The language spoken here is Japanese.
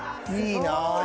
いいなぁ。